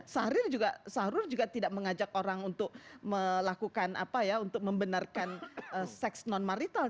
sahrir juga sahrul juga tidak mengajak orang untuk melakukan apa ya untuk membenarkan seks non marital